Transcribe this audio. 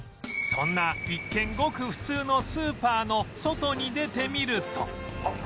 そんな一見ごく普通のスーパーの外に出てみると